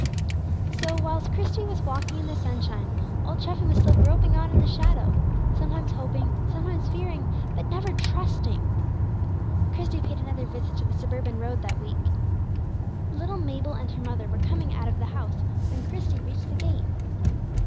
So, whilst Christie was walking in the sunshine, Old Treffy was still groping on in the shadow, sometimes hoping, sometimes fearing, but never trusting. Christie paid another visit to the suburban road that week. Little Mabel and her mother were coming out of the house when Christie reached the gate.